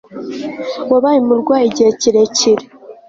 Wabaye umurwayi igihe kirekire